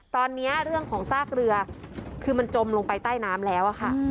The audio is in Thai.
ตอนนี้เรื่องของซากเรือคือมันจมลงไปใต้น้ำแล้วค่ะ